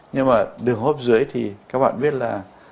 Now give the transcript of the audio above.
nhưng mà đường hô hấp dưới thì các bạn biết là